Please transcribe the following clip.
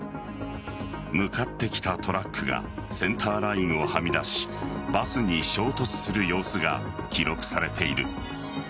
向かってきたトラックがセンターラインをはみ出しバスに衝突する様子が記録されている。